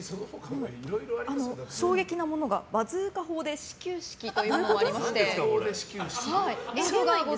衝撃のものがバズーカ砲で始球式というものがありまして。